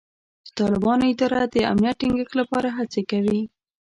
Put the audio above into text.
د طالبانو اداره د امنیت ټینګښت لپاره هڅې کوي.